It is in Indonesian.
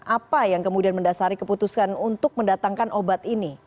apa yang kemudian mendasari keputusan untuk mendatangkan obat ini